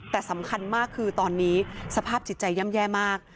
แต่สำคัญมากคือตอนนี้สภาพจิตใจย่ำแย่มาก